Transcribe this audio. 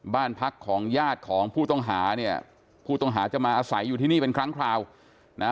บ้านพักของญาติของผู้ต้องหาเนี่ยผู้ต้องหาจะมาอาศัยอยู่ที่นี่เป็นครั้งคราวนะ